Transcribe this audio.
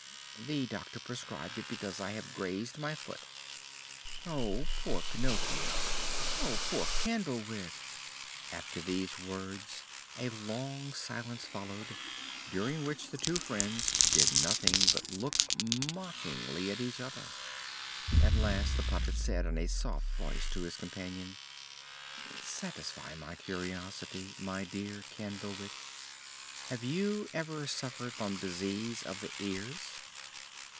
"The doctor prescribed it because I have grazed my foot." "Oh, poor Pinocchio!" "Oh, poor Candlewick!" After these words a long silence followed, during which the two friends did nothing but look mockingly at each other. At last the puppet said in a soft voice to his companion: "Satisfy my curiosity, my dear Candlewick: have you ever suffered from disease of the ears?"